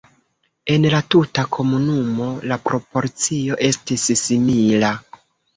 En la tuta komunumo la proporcio estis simila.